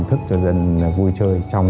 thức cho dân vui chơi trong